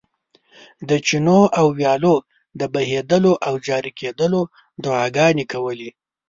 د چینو او ویالو د بهېدلو او جاري کېدلو دعاګانې کولې.